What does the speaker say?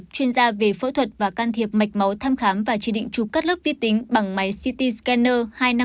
chuyên gia về phẫu thuật và can thiệp mạch máu thăm khám và chỉ định chụp các lớp vi tính bằng máy ct scanner hai trăm năm mươi sáu